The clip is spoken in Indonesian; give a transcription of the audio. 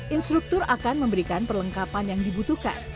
instruktur akan memberikan perlengkapan yang dibutuhkan